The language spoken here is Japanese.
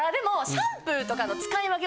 シャンプーの使い分け？